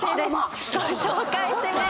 ご紹介します。